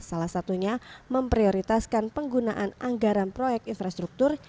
salah satunya memprioritaskan penggunaan anggaran proyek infrastruktur